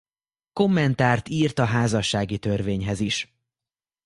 Kommentárt írt a házassági törvényhez is.